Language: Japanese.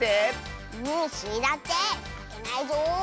スイだってまけないぞ！